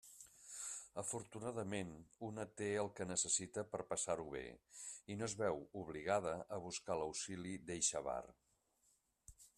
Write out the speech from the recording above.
Afortunadament, una té el que necessita per a passar-ho bé i no es veu obligada a buscar l'auxili d'eixe avar.